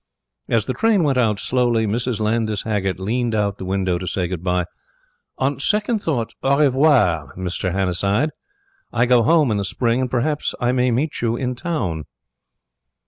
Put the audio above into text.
As the train went out slowly, Mrs. Landys Haggert leaned out of the window to say goodbye: "On second thoughts au revoir, Mr. Hannasyde. I go Home in the Spring, and perhaps I may meet you in Town."